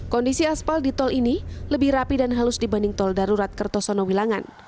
kondisi aspal di tol ini lebih rapi dan halus dibanding tol darurat kertosono wilangan